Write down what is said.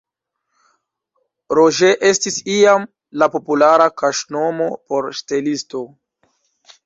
Roger estis iam la populara kaŝnomo por ŝtelisto.